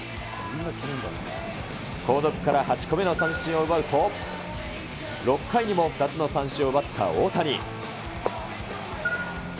後続から８個目の三振を奪うと、６回にも２つの三振を奪った大谷。